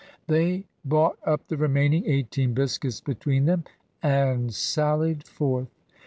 They bought up the remaining eighteen biscuits between them, and sallied forth.